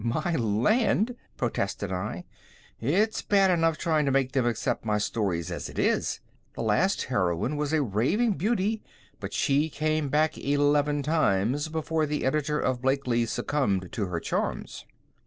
"My land!" protested I. "It's bad enough trying to make them accept my stories as it is. That last heroine was a raving beauty, but she came back eleven times before the editor of Blakely's succumbed to her charms."